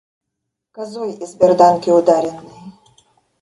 Козой, из берданки ударенной.